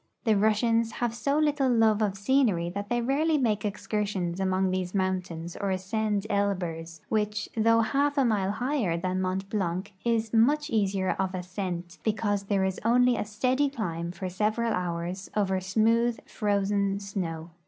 The Russians have so little love of sceneiy that they rarely make excursions among these mountains or ascend Elburz, which, though half a mile higher than Mont Blanc, is much easier of ascent, because there is only a steady climb for several hours over smooth, frozen snow.